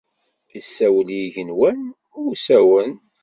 Isawel i yigenwan, usawen.